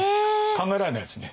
考えられないですね。